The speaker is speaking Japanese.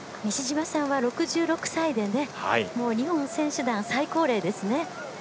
西島さんは６６歳で日本選手団最高齢ですね。